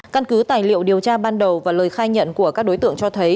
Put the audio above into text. căn cứ tài liệu điều tra ban đầu và lời khai nhận của các đối tượng cho thấy